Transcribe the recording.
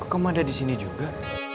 kok kamu ada disini juga